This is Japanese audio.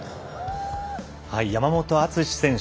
山本篤選手